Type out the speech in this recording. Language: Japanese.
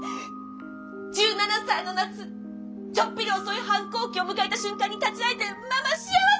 １７歳の夏ちょっぴり遅い反抗期を迎えた瞬間に立ち会えてママ幸せ！